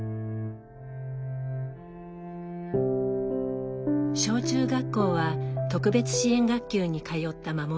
小中学校は特別支援学級に通った護さん。